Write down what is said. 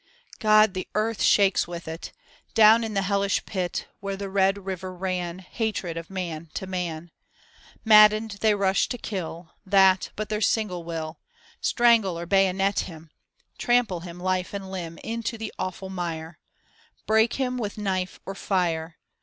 God, the earth shakes with it! Down in the hellish pit, THE SAD YEARS AN OLD PROVERB (Continued) Where the red river ran, Hatred of man to man; Maddened they rush to kill, That but their single will; Strangle or bayonet him! Trample him life and limb Into the awful mire; Break him with knife or fire!